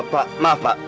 pak maaf pak